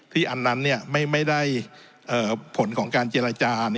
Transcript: อันนั้นไม่ได้ผลของการเจรจา